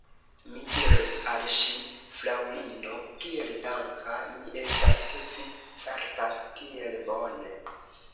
Mi diris al ŝi: «Fraŭlino, kiel danka mi estas, ke vi fartas tiel bone!»